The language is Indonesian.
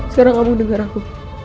sekarang kamu denger aku